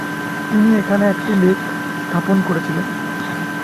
তিনি এখানে একটি লেখ স্থাপন করেছিলেন।